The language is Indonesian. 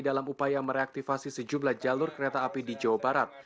dalam upaya mereaktivasi sejumlah jalur kereta api di jawa barat